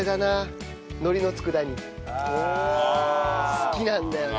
好きなんだよね。